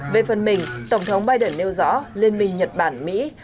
về phần mình tổng thống biden nêu rõ liên minh nhật bản mỹ